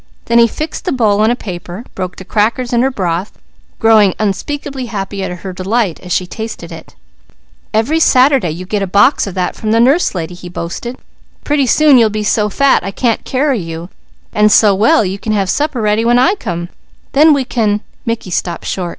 Then he fixed the bowl on a paper, broke the crackers in her broth, growing unspeakably happy at her delight as she tasted it. "Every Saturday you get a box of that from the Nurse Lady," he boasted. "Pretty soon you'll be so fat I can't carry you and so well you can have supper ready when I come, then we can " Mickey stopped short.